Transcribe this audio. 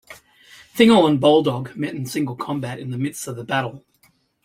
Thingol and Boldog met in single combat in the midst of the battle.